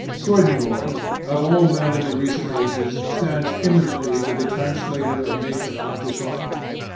Swedenborg, of all men in the recent ages, stands eminently for the translator of nature into thought.